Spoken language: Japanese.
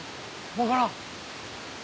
わからん！